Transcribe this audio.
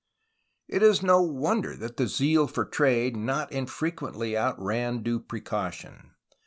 It is no wonder that zeal for trade not infrequently out ran due precaution.